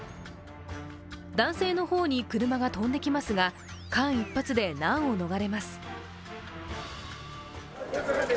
男性の方に車が飛んできますが間一髪で難を逃れます。